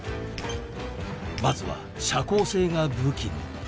「まずは社交性が武器の」